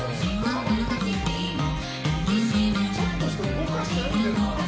ちょっとしか動かしてないんだよな。